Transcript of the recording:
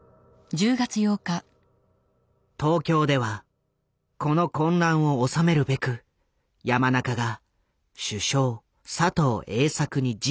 東京ではこの混乱を収めるべく山中が首相佐藤栄作に直訴していた。